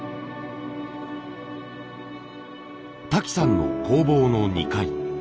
瀧さんの工房の２階。